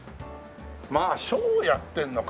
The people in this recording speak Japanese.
まあショーをやってるのか。